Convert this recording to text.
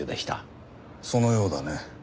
そのようだね。